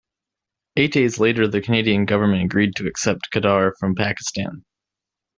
Eight days later the Canadian government agreed to accept Khadr from Pakistan.